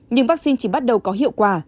nhưng vaccine chỉ bắt đầu có hiệu quả